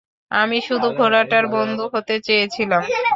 আমি শুধু ঘোড়াটার বন্ধু হতে চেয়েছিলাম।